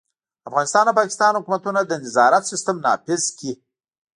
افغانستان او پاکستان حکومتونه د نظارت سیستم نافذ کړي.